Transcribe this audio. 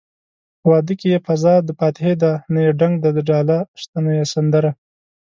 په واده کې يې فضادفاتحې ده نه يې ډنګ دډاله شته نه يې سندره